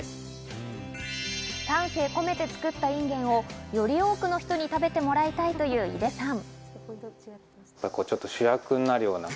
丹精込めて作ったインゲンをより多くの人に食べてもらいたいという井出さん。